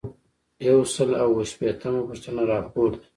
یو سل او اووه شپیتمه پوښتنه راپور دی.